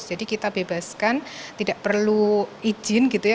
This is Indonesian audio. jadi kita bebaskan tidak perlu izin gitu ya